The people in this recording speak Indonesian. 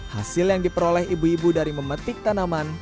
hasil yang diperoleh ibu ibu dari memetik tanaman